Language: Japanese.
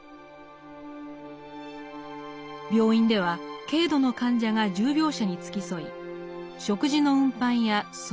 病院では軽度の患者が重病者に付き添い食事の運搬や掃除